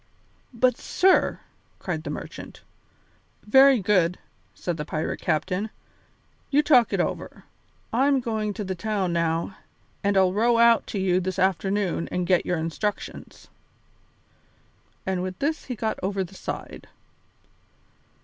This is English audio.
"But, sir " cried the merchant. "Very good," said the pirate captain, "you talk it over. I'm going to the town now and I'll row out to you this afternoon and get your instructions." And with this he got over the side.